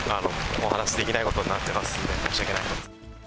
お話しできないことになってますんで、申し訳ないです。